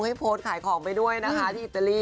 ให้โพสต์ขายของไปด้วยนะคะที่อิตาลี